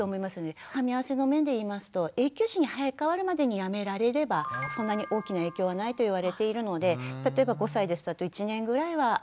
かみ合わせの面でいいますと永久歯に生え変わるまでにやめられればそんなに大きな影響はないといわれているので例えば５歳ですとあと１年ぐらいはあるかな